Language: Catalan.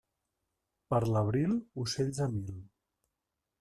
Per l'abril, ocells a mil.